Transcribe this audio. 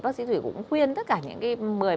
bác sĩ thủy cũng khuyên tất cả những người